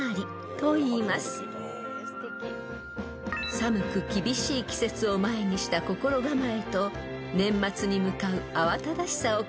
［寒く厳しい季節を前にした心構えと年末に向かう慌ただしさを感じさせる季語です］